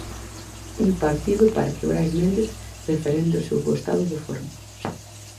Un partido para que Brais Méndez referende o seu bo estado de forma.